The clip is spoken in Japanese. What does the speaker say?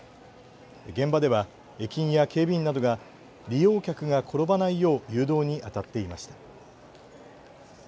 現場では駅員や警備員などが利用客が転ばないよう誘導にあたっていました。